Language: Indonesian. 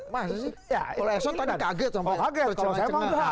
mas kalau eson tadi kaget sampai tercengang